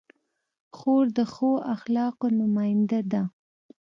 خور د ښو اخلاقو نماینده ده.